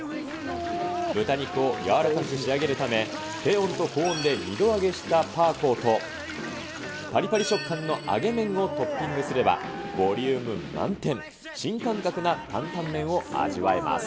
豚肉を柔らかく仕上げるため、低温と高温で２度揚げしたパーコーと、ぱりぱり食感の揚げ麺をトッピングすれば、ボリューム満点。